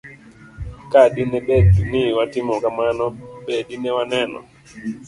Ka dine bed ni watimo kamano, be dine waneno